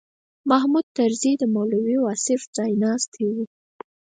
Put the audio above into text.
محمود طرزي د مولوي واصف ځایناستی و.